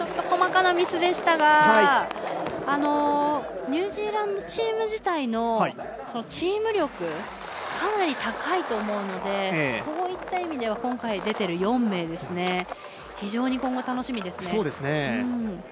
細かなミスでしたがニュージーランドチーム自体のチーム力かなり高いと思うのでそういった意味では今回出ている４名非常に今後、楽しみですね。